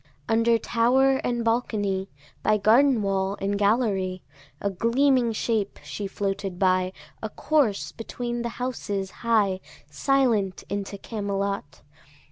Under tower and balcony, By garden wall and gallery, A gleaming shape she floated by, A corse between the houses high, Silent into Camelot.